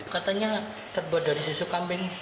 katanya terbuat dari susu kambing